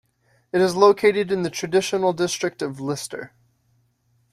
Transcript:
It is located in the traditional district of Lister.